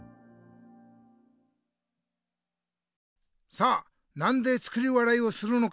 さあなんで作り笑いをするのか？